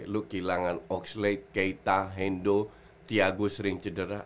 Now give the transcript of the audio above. lo kehilangan oxlade keita hendo thiago sering cedera